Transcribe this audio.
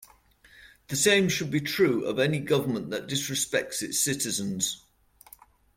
The same should be true of any government that disrespects its citizens.